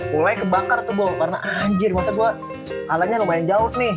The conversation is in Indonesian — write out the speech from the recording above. mulai kebakar tuh boh karena anjir masa gue kalahnya lumayan jauh nih